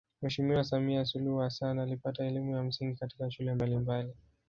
Mheshimiwa Samia Suluhu Hassan alipata elimu ya msingi katika shule mbalimbali